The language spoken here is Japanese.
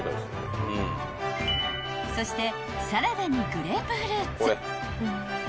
［そしてサラダにグレープフルーツ］